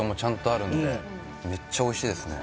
めっちゃおいしいですね